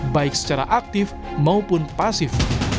baik secara aktif maupun pasif